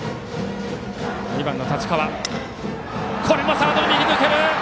サードの右を抜ける！